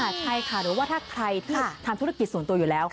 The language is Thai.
ใช่ค่ะหรือว่าถ้าใครที่ทำธุรกิจส่วนตัวอยู่แล้ว